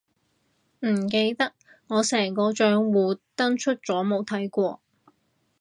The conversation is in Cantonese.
唔記得，我成個帳戶登出咗冇睇過